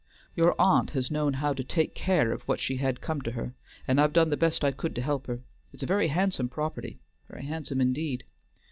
Your aunt has known how to take care of what she had come to her, and I've done the best I could to help her; it's a very handsome property, very handsome indeed.